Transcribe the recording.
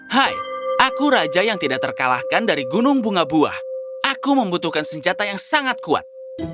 hai aku raja yang tidak terkalahkan dari gunung bunga buah aku membutuhkan senjata yang sangat kuat